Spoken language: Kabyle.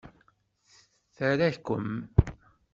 Tra-kem!